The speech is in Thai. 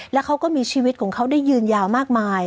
แล้วเขาก็มีชีวิตของเขาได้ยืนยาวมากมาย